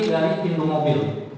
dari pintu mobil